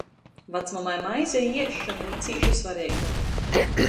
Vacmamai maize i iesšona ir cīši svareiga.